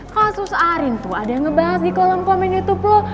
khusus arin tuh ada yang ngebahas di kolom komen youtube loh